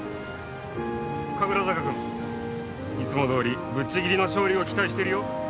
神楽坂君いつもどおりぶっちぎりの勝利を期待しているよ。